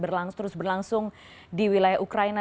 berlangsung di wilayah ukraina